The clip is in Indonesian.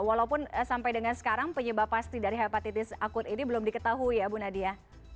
walaupun sampai dengan sekarang penyebab pasti dari hepatitis akut ini belum diketahui ya bu nadia